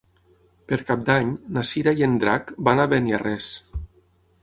Per Cap d'Any na Cira i en Drac van a Beniarrés.